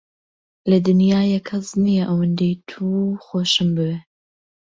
لە دنیایێ کەس نییە ئەوەندەی توو خۆشم بوێ.